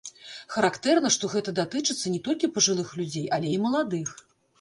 Характэрна, што гэта датычыцца не толькі пажылых людзей, але і маладых.